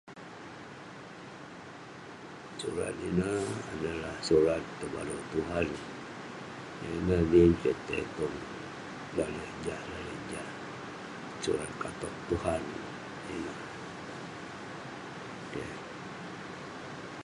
Surat ineh adalah surat tebare Tuhan, yah ineh nin kik tai tong daleh jah, daleh jah. Surat katog Tuhan ineh. Keh.